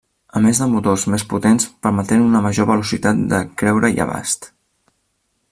A més de motors més potents permetent una major velocitat de creure i abast.